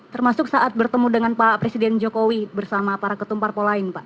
termasuk saat bertemu dengan pak presiden jokowi bersama para ketumpar pola lain pak